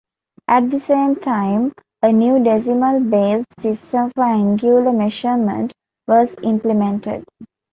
At the same time, a new decimal-based system for angular measurement was implemented.